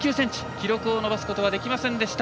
記録を伸ばすことはできませんでした。